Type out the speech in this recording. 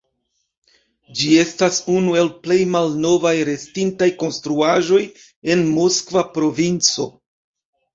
Ĝi estas unu el plej malnovaj restintaj konstruaĵoj en Moskva provinco.